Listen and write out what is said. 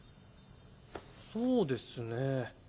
そうですね。